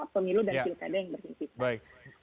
pemilu dan silikade yang berhimpitan